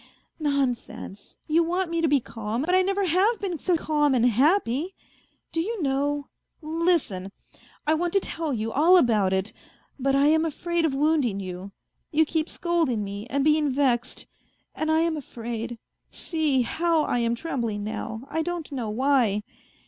" Nonsense, you want me to be calm, but I never have been BO calm and happy ! Do you know. ... Listen, I want to tell you all about it, but I am afraid of wounding you. ... You keep scolding me and being vexed; and I am afraid. ... See how I am trembling now, I don't know why.